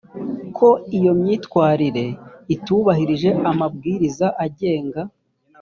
ko iyo myitwarire itubahirije amabwiriza agenga